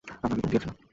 আপনার কি কমতি আছে?